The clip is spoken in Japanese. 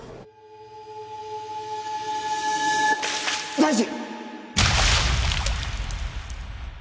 大臣！